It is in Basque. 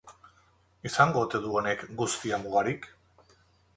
Izango ote du honek guztiak mugarik?